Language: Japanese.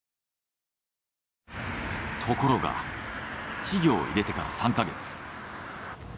ところが稚魚を入れてから３ヵ月。